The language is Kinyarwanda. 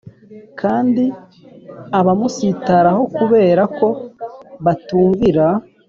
' kandi abamusitaraho kubera ko batumvira,